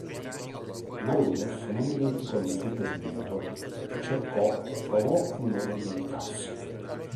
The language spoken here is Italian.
Ma Rudolf non dimenticò l'insulto subito e cercò e trovò il modo di vendicarsi.